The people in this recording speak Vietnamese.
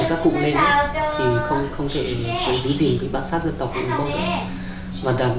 các cụ lên không thể giữ gìn bác sát dân tộc của mông